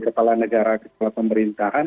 kepala negara kepala pemerintahan